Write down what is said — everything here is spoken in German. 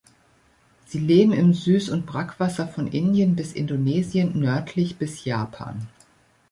Sie leben im Süß- und Brackwasser von Indien bis Indonesien, nördlich bis Japan.